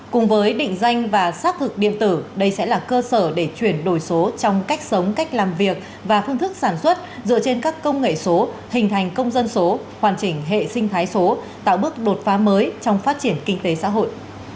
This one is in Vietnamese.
cùng với định danh và xác thực điện tử đây sẽ là cơ sở để chuyển đổi số trong cách sống cách làm việc và phương thức sản xuất dựa trên các công nghệ số hình thành công dân số hoàn chỉnh hệ sinh thái số tạo bước đột phá mới trong phát triển kinh tế xã hội